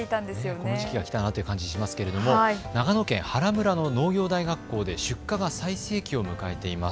この時期が来たなという感じですが長野県原村の農業大学校で出荷が最盛期を迎えています。